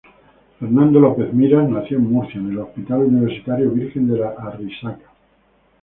Fernando López Miras nació en Murcia, en el Hospital Universitario Virgen de la Arrixaca.